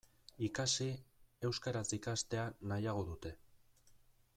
Ikasi, euskaraz ikastea nahiago dute.